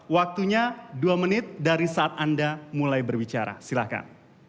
waktunya dua menit dari saat anda mulai berbicara silahkan